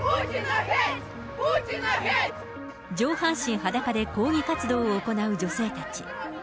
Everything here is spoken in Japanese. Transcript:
上半身裸で抗議活動を行う女性たち。